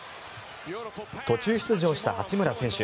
途中出場した八村選手